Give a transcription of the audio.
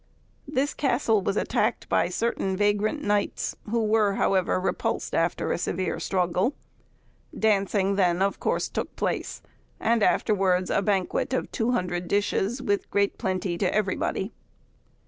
This castle was attacked by certain vagrant knights, who were, however, repulsed after a severe struggle. Dancing then of course took place; and afterwards a banquet of 200 dishes, with great plenty to everybody.